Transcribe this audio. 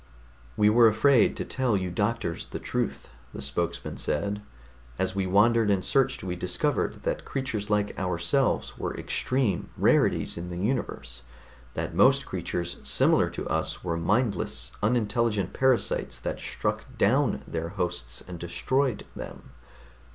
"We were afraid to tell you doctors the truth," the spokesman said. "As we wandered and searched we discovered that creatures like ourselves were extreme rarities in the universe, that most creatures similar to us were mindless, unintelligent parasites that struck down their hosts and destroyed them.